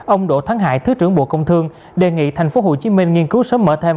ông đỗ thắng hải thứ trưởng bộ công thương đề nghị tp hcm nghiên cứu sớm mở thêm